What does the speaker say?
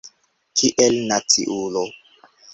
Kiel naciulo.